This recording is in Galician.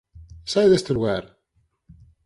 Sae deste lugar!